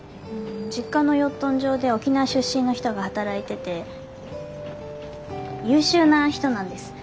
実家の養豚場で沖縄出身の人が働いてて優秀な人なんです。